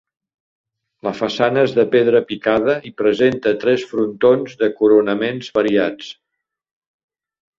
La façana és de pedra picada i presenta tres frontons de coronaments variats.